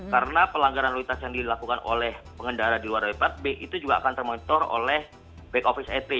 karena pelanggaran luitas yang dilakukan oleh pengendara di luar dari plat b itu juga akan termotor oleh back office at